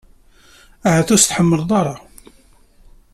Ahat ur tt-tḥemmleḍ ara.